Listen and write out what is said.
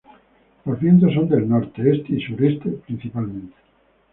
Los vientos son del norte, este y sureste, principalmente.